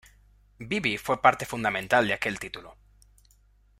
Bibby fue parte fundamental de aquel título.